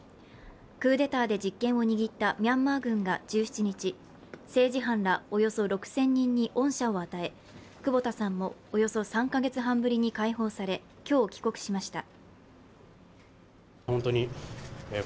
クーデターで実権を握ったミャンマー軍が１７日、政治犯らおよそ６０００人に恩赦を与え、久保田さんもおよそ３カ月半ぶりに解放され今日帰国しました。